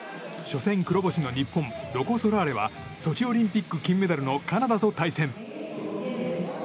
初戦黒星の日本ロコ・ソラーレはソチオリンピック金メダルのカナダと対戦。